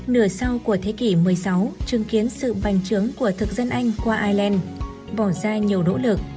nửa sau của thế kỷ một mươi sáu chứng kiến sự bành trướng của thực dân anh qua ireland bỏ ra nhiều nỗ lực